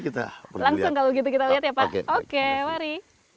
langsung kalau gitu kita lihat ya pak oke mari